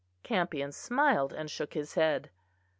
Campion smiled and shook his head.